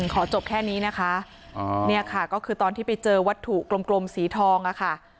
ขอจบแค่นี้นะคะเนี่ยค่ะก็คือตอนที่ไปเจอวัตถุกลมสีทองอะค่ะ